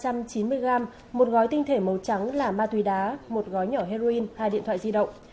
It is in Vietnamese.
một gói tinh thể màu trắng là ma túy đá một gói nhỏ heroin hai điện thoại di động